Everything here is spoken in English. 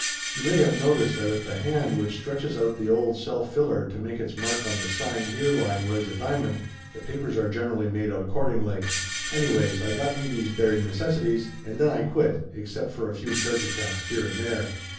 You maybe have noticed that if the hand which stretches out the old self filler to make its mark on the sign here line wears a diamond, the papers are gen erally made out accordingly. Anyways, I got me these bare necessities, and then I quit, except for a few charge accounts here and there.